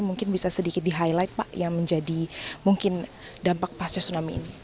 mungkin bisa sedikit di highlight pak yang menjadi mungkin dampak pasca tsunami ini